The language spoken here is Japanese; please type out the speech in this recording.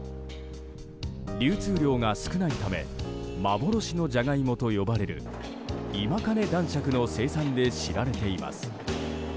流通量が少ないため幻のジャガイモと呼ばれる今金男しゃくの生産で知られています。